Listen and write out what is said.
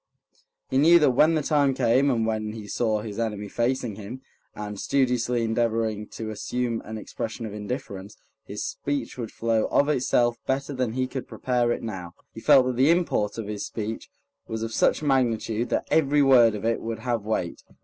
He knew that when the time came, and when he saw his enemy facing him, and studiously endeavoring to assume an expression of indifference, his speech would flow of itself better than he could prepare it now. He felt that the import of his speech was of such magnitude that every word of it would have weight.